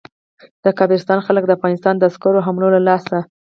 د کافرستان خلک د افغانستان د عسکرو حملو له لاسه.